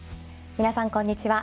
皆さんこんにちは。